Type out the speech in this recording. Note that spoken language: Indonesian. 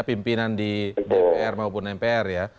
pimpinan di dpr maupun mpr ya